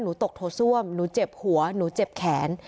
หนูตกโถส้วมหนูเจ็บหัวหนูเจ็บแขน